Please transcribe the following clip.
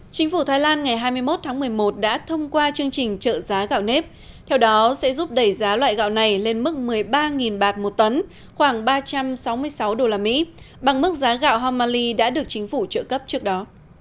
chính phủ thái lan ngày hai mươi một tháng một mươi một đã thông qua chương trình trợ giá gạo nếp theo đó sẽ giúp đẩy giá loại gạo này lên mức một mươi ba bạt một tấn khoảng ba trăm sáu mươi sáu usd bằng mức giá gạo homaly đã được chính phủ trợ cấp trước đó